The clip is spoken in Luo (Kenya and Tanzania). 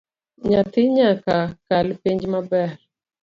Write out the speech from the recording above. Nyathi nyaka kal penj maber